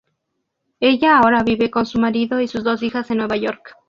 Ella ahora vive con su marido y sus dos hijas en Nueva York.